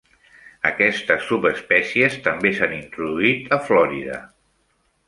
Aquestes subespècies també s'han introduït a Florida.